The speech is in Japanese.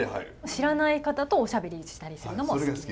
知らない方とおしゃべりしたりするのも好き？